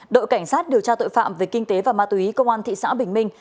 đội cảnh sát điều tra tội phạm về kinh tế và ma túy công an thị xã bình minh